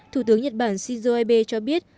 thủ tướng nhật bản shinzo abe cho biết